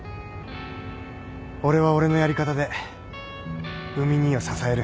俺は俺のやり方で海兄を支える